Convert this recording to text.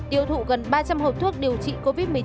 tiêu thụ gần ba trăm linh hộp thuốc điều trị covid một mươi chín